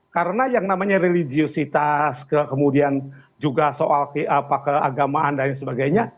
karena yang namanya religiositas kemudian juga soal keagamaan dan lain sebagainya